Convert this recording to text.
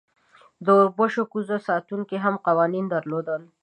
د اوربشو کوزه ساتونکی هم قوانین درلودل.